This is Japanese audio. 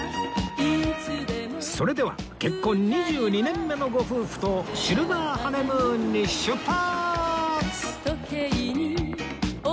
それでは結婚２２年目のご夫婦とシルバーハネムーンに出発！